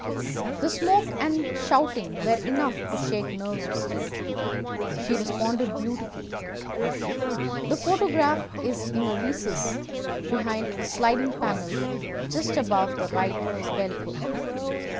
The smoke and shouting were enough to shake nerves of steel. She responded beautifully. The photograph is in a recess behind a sliding panel just above the right bell pull.